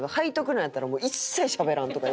なんやったら一切しゃべらんとかやりたい。